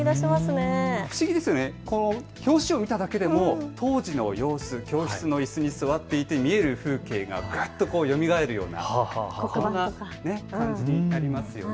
表紙を見ただけでもう当時の様子、教室のいすに座っていて見える風景がよみがえるような感じになりますよね。